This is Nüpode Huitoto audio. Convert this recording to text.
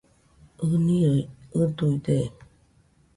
ɨniroi ɨduide